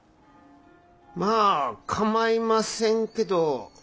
まぁ構いませんけど。